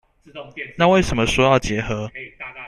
那為什麼說要結合